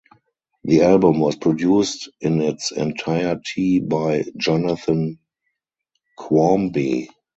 The album was produced in its entirety by Jonathan Quarmby.